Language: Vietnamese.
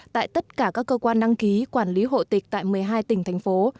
tại tất cả các cơ quan đăng ký quản lý hộ tịch tại một mươi hai tỉnh thành phố